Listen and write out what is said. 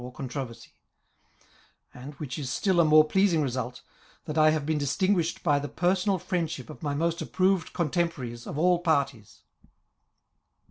or contro versy ; and, which is still a more pleasing result, that I have. been distinguished by the personal friendship of my most approved contemporaries of all parties.